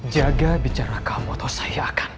jaga bicara kamu atau saya akan